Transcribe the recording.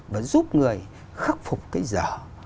và giúp người khắc phục cái dở